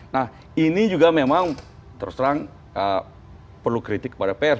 nah ini juga memang terus terang perlu kritik kepada pr